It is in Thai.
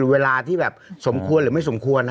เวลาที่แบบสมควรหรือไม่สมควร